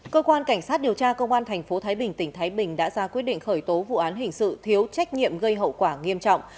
cơ quan cảnh sát điều tra công an tp thái bình tỉnh thái bình đã ra quyết định khởi tố vụ án hình sự thiếu trách nhiệm gây hậu quả nghiêm trọng